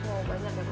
oh banyak ya pak